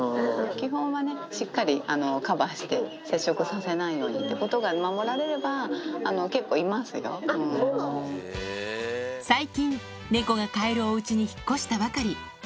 基本はしっかりカバーして接触させないようにということが守られ最近、猫が飼えるおうちに引っ越したばかり。